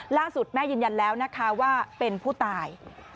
ล่าสุดแม่ยืนยันแล้วนะคะว่าเป็นผู้ตาย